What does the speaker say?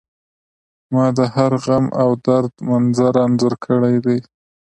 ما د هر غم او درد منظر انځور کړی دی